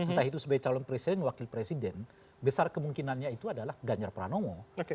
entah itu sebagai calon presiden wakil presiden besar kemungkinannya itu adalah ganjar pranowo